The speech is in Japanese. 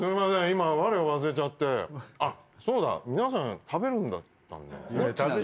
今我を忘れちゃってあっそうだ皆さん食べるんだったんだよね？